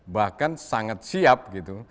bahkan sangat siap gitu